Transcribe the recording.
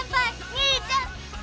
兄ちゃん！